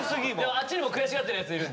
あっちにも悔しがってるやついる。